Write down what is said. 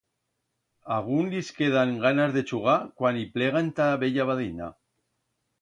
Agún lis quedan ganas de chugar cuando i plegan ta bella badina.